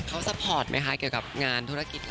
เขาซัพพอร์ตไหมคะเกี่ยวกับงานธุรกิจ